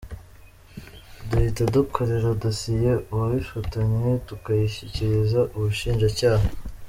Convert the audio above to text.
Duhita dukorera dosiye uwabifatanywe, tukayishyikiriza Ubushinjacyaha.